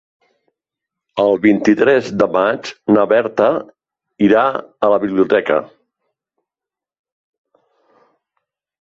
El vint-i-tres de maig na Berta irà a la biblioteca.